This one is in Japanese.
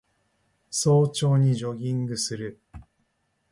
早朝にジョギングする